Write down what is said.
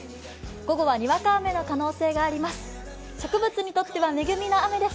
午後は、にわか雨の可能性があります。